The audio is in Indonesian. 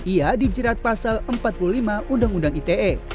ia dijerat pasal empat puluh lima undang undang ite